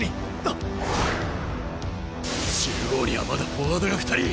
中央にはまだフォワードが２人！